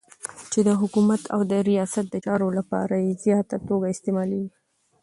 چی د حکومت او د ریاست دچارو لپاره په زیاته توګه استعمالیږی